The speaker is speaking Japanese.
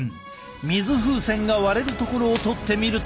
水風船が割れるところを撮ってみると。